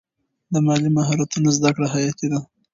د مالي مهارتونو زده کړه حیاتي ده.